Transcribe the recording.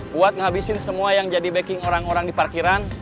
buat ngabisin semua yang jadi backing orang orang di parkiran